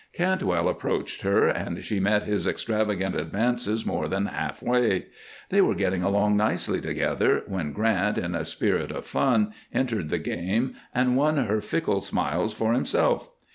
Cantwell approached her, and she met his extravagant advances more than half way. They were getting along nicely together when Grant, in a spirit of fun, entered the game and won her fickle smiles for himself.